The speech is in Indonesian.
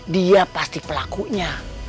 dia pasti pelakunya